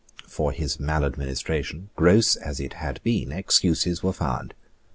For his maladministration, gross as it had been, excuses were found.